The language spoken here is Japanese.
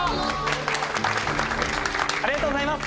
・ありがとうございます！